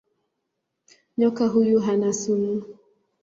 Nyoka huyu hana sumu.